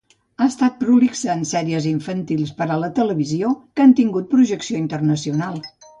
Ha estat prolixa en sèries infantils per a la televisió, que han tingut projecció internacional.